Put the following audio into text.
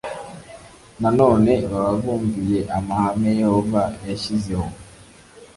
nanone baba bumviye amahame yehova yashyizeho